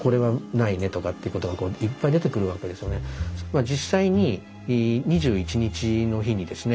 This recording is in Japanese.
まあ実際に２１日の日にですね